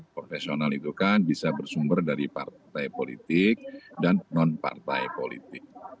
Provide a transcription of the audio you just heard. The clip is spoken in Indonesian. profesional itu kan bisa bersumber dari partai politik dan non partai politik